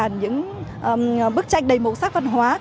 những bức tranh đầy màu sắc văn hóa